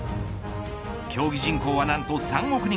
競技人口は何と３億人。